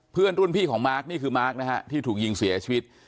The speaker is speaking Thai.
เพื่อนรุ่นพี่ของมาร์คนี่คือมาร์คนะฮะที่ถูกยิงเสียชีวิต